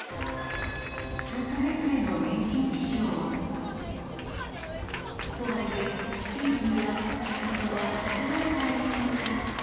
人それぞれの年金事情。とはいえ、支給日には懐が温まるからでしょうか。